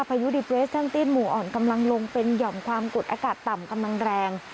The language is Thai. พายุดิเปรสสั้นติ้นหมู่อ่อนกำลังลงเป็นหย่อมความกดอากาศต่ำกำลังแรง